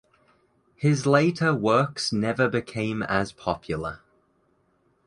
His later works never became as popular.